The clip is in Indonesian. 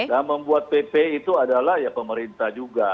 nah membuat pp itu adalah ya pemerintah juga